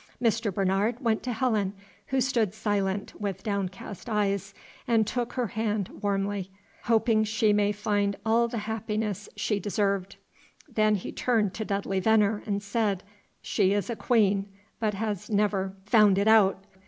Mr. Bernard went to Helen, who stood silent, with downcast eyes, and took her hand warmly, hoping she might find all the happiness she deserved. Then he turned to Dudley Venner, and said, "She is a queen, but has never found it out.